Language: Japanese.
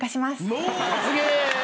おすげえ！